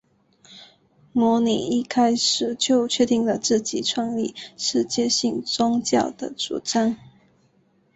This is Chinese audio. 摩尼一开始就确定了自己创立世界性宗教的主张。